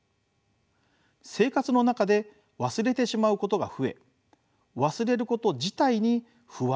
生活の中で忘れてしまうことが増え忘れること自体に不安を感じ